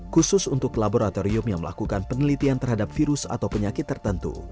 khusus untuk laboratorium yang melakukan penelitian terhadap virus atau penyakit tertentu